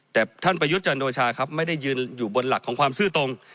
แต่ท่านประยุทธ์จันโอชาครับไม่ได้ยืนอยู่บนหลักของความซื่อตรง